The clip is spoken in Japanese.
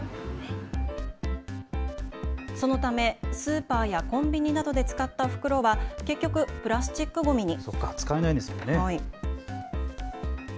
そのためスーパーやコンビニなどで使った袋は結局、プラスチックごみに。